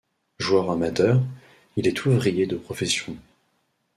Joueur amateur, il est ouvrier de profession.